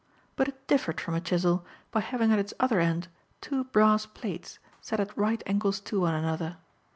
But it differed from a chisel by having at its other end two brass plates set at right angles to one another.